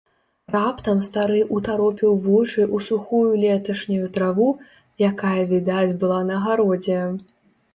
Раптам стары ўтаропіў вочы ў сухую леташнюю траву, якая відаць была на гародзе.